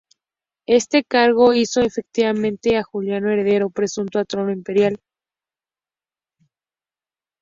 Este cargo hizo efectivamente a Juliano heredero presunto al trono imperial.